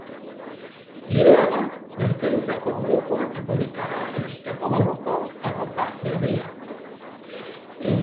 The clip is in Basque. Liberala, gazteentzako modukoa eta polita da erositako barruko arropa berria.